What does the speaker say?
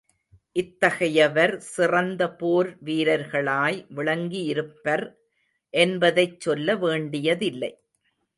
இத்தகையவர், சிறந்த போர் வீரர்களாய் விளங்கியிருப்பர் என்பதைச் சொல்ல வேண்டியதில்லை.